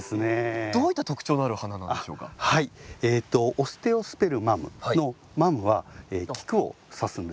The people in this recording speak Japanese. オステオスペルマムの「マム」は菊を指すんですけど。